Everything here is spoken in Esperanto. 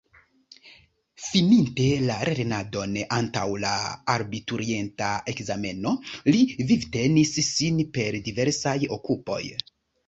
Fininte la lernadon antaŭ la abiturienta ekzameno, li vivtenis sin per diversaj okupoj.